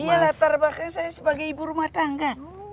iya latar belakang saya sebagai ibu rumah tangga